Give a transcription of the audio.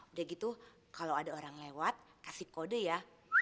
udah gitu kalau ada orang lewat kasih kode ya